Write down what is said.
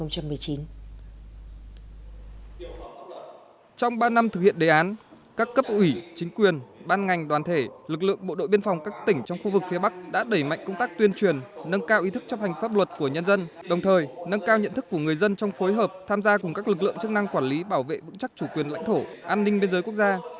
trong ba năm thực hiện đề án các cấp ủy chính quyền ban ngành đoàn thể lực lượng bộ đội biên phòng các tỉnh trong khu vực phía bắc đã đẩy mạnh công tác tuyên truyền nâng cao ý thức chấp hành pháp luật của nhân dân đồng thời nâng cao nhận thức của người dân trong phối hợp tham gia cùng các lực lượng chức năng quản lý bảo vệ vững chắc chủ quyền lãnh thổ an ninh biên giới quốc gia